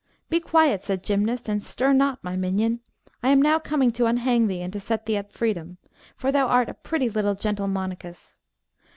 Be quiet, said Gymnast, and stir not, my minion. I am now coming to unhang thee and to set thee at freedom, for thou art a pretty little gentle monachus.